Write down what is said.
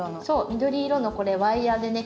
緑色のこれワイヤーでね。